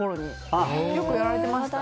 よくやられてました。